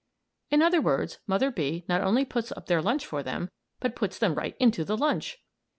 In other words, Mother Bee not only puts up their lunch for them, but puts them right into the lunch!